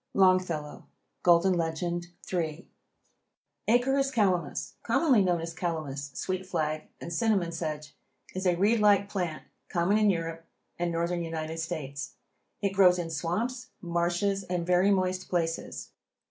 —Longfellow: Golden Legend, III. Acorus calamus, commonly known as Calamus, sweet flag and cinnamon sedge, is a reed like plant common in Europe and Northern United States. It grows in swamps, marshes and very moist places.